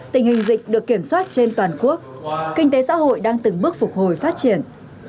tình hình dịch được kiểm soát trên toàn quốc kinh tế xã hội đang từng bước phục hồi phát triển